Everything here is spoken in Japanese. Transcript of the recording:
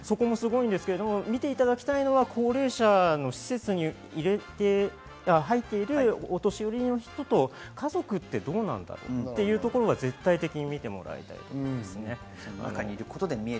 見ていただきたいのは、高齢者施設に入っているお年寄りの人と家族ってどうなんだろうというところを絶対的にみてもらいたいです。